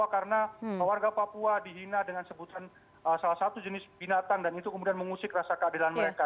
karena warga papua dihina dengan sebutan salah satu jenis binatang dan itu kemudian mengusik rasa keadilan mereka